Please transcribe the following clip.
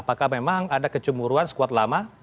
apakah memang ada kecemburuan sekuat lama